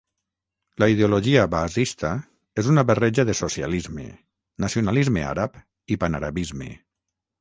La ideologia baasista és una barreja de socialisme, nacionalisme àrab i panarabisme.